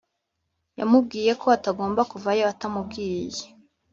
yamubwiye ko atagomba kuvayo atamubwiye